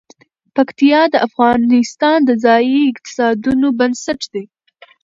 پکتیا د افغانستان د ځایي اقتصادونو بنسټ دی.